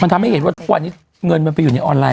มันทำให้เห็นว่าตัวหนิเงินมาไปอยู่ในออนไลน์